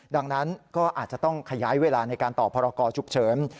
ดังนั้นก็อาจจะต้องขยายเวลาในการต่อพรกรฉุกเฉิน